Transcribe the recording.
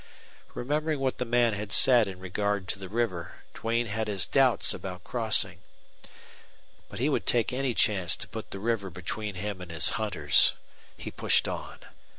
Remembering what the man had said in regard to the river, Duane had his doubts about crossing. But he would take any chance to put the river between him and his hunters. He pushed on.